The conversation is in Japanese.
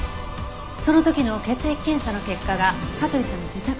その時の血液検査の結果が香取さんの自宅にありました。